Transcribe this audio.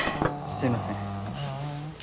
すみません。